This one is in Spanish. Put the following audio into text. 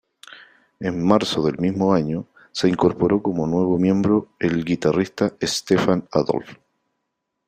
En marzo del mismo año, se incorporó como nuevo miembro el guitarrista Stephan Adolph.